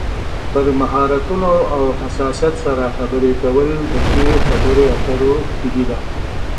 پر مهارتونو او حساسیت سره خبرې کول د ښې خبرې اترو کلي ده.